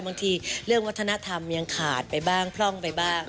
บางทีเรื่องวัฒนธรรมยังขาดไปบ้างพร่องไปบ้าง